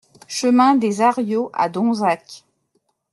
Chemin des Ariaux à Donzac